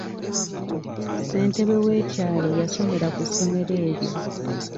Ssentebe w'ekyalo yasomera ku ssomero eryo.